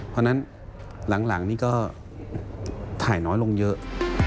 เพราะฉะนั้นหลังนี่ก็ถ่ายน้อยลงเยอะ